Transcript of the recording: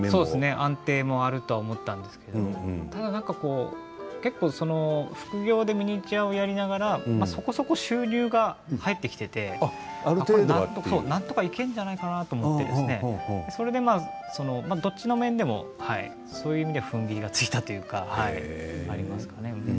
安定もあると思ったんですけどただ結構副業でミニチュアをやりながらそこそこ収入が入ってきていてなんとかいけるんじゃないかなと思ってですね、それでどっちの面でもそういう意味でふんぎりがついたというか、ありますかね。